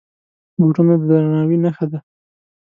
بوټونه د درناوي نښه ده.